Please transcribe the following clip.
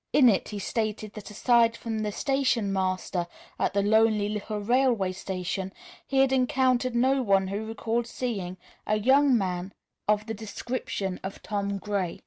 In it he stated that aside from the station master at the lonely little railway station, he had encountered no one who recalled seeing a young man of the description of Tom Gray.